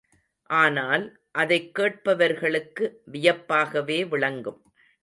ஆனால், அதைக் கேட்பவர்களுக்கு வியப்பாகவே விளங்கும்.